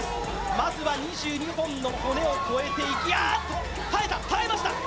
まずは２２本の骨を越えていき、耐えた、耐えました。